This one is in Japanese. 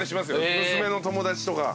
娘の友達とか。